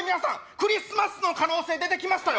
クリスマスの可能性出てきましたよ